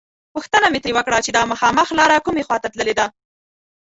پوښتنه مې ترې وکړه چې دا مخامخ لاره کومې خواته تللې ده.